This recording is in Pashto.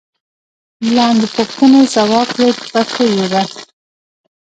لاندې پوښتنې ځواب کړئ په پښتو ژبه.